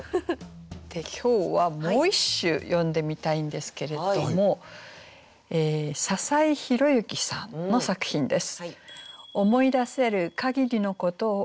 で今日はもう一首読んでみたいんですけれども笹井宏之さんの作品です。